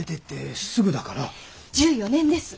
１４年です。